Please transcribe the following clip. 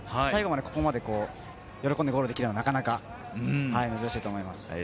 最後まで、ここまで喜んでゴールできるのはなかなか珍しいと思います。